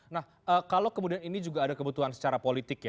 nah kalau kemudian ini juga ada kebutuhan secara politik ya